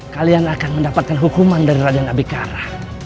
kalian akan mendapatkan hukuman dari raden abikara